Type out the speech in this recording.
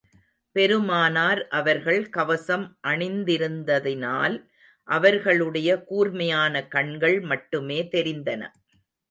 பெருமானார் அவர்கள் கவசம் அணிந்திருந்ததினால், அவர்களுடைய கூர்மையான கண்கள் மட்டுமே தெரிந்தன.